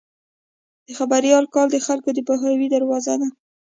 د خبریال کار د خلکو د پوهاوي دروازه ده.